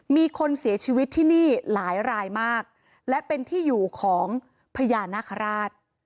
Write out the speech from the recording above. มีคนเสียชีวิตที่นี่หลายรายมากและเป็นที่อยู่ของพญานาคาราช